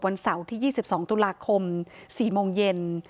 เสาร์ที่๒๒ตุลาคม๔โมงเย็น